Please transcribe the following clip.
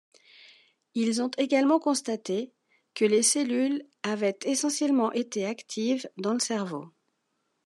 Ils ont également constaté que les cellules avaient essentiellement été actives dans le cerveau.